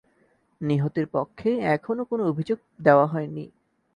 নিহতের পক্ষে এখনো কোনো অভিযোগ দেওয়া হয়নি।